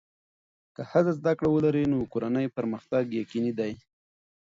که ښځه زده کړه ولري، نو د کورنۍ پرمختګ یقیني دی.